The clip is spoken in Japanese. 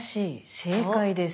正解です。